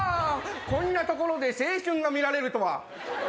こんな所で青春が見られるとは。